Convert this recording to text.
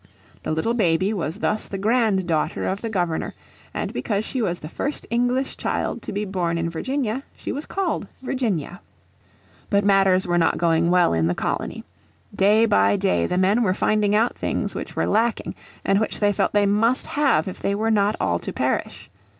The little baby was thus the grand daughter of the Governor, and because she was the first English child to be born in Virginia she was called Virginia. But matters were not going well in the colony. Day by day the men were finding out things which were lacking and which they felt they must have if they were not all to perish.